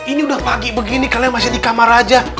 ini udah pagi begini kalian masih di kamar aja